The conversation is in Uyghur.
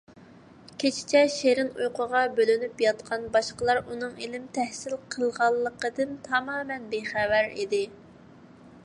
كېچىچە شېرىن ئۇيقۇغا بۆلىنىپ ياتقان باشقىلار ئۇنىڭ ئىلىم تەھسىل قىلغانلىقىدىن تامامەن بىخەۋەر ئىدى.